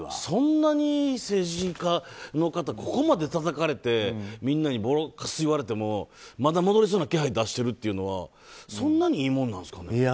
そんなに政治家の方ってここまでたたかれてみんなにボロクソ言われてもまだ戻りそうな気配を出してるっていうのはそんなにいいもんなんですかね？